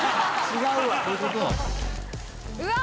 違うわ。